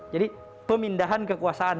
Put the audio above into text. jadi pemindahan kekuasaan